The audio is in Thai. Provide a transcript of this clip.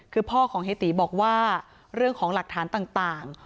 คือพ่อของเฮตีบอกว่าเรื่องของหลักฐานต่าง